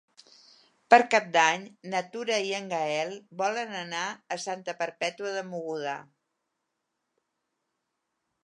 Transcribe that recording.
Per Cap d'Any na Tura i en Gaël volen anar a Santa Perpètua de Mogoda.